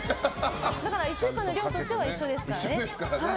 だから、１週間の量としては一緒ですからね。